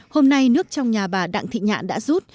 hôm nay nước trong nhà bà đặng thị nhạn đã rút